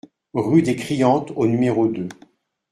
Rue des Criantes au numéro deux